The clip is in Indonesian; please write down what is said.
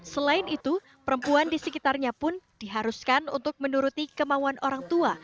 selain itu perempuan di sekitarnya pun diharuskan untuk menuruti kemauan orang tua